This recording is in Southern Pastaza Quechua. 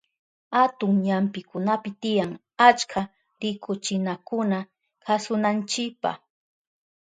Atun ñampikunapi tiyan achka rikuchinakuna kasunanchipa.